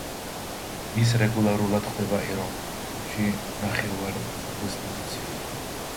ის რეგულარულად ხვდება ეროვნულ ნაკრებში ნახევარმცველის პოზიციაზე.